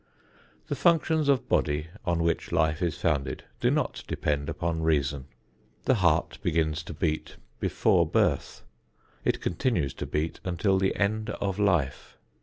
The functions of body, on which life is founded, do not depend upon reason. The heart begins to beat before birth; it continues to beat until the end of life.